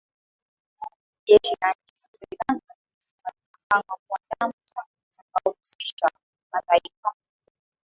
jeshi la nchini sri lanka limesema lina mpango wa kuandaa mkutano utakaohusisha mataifa makubwa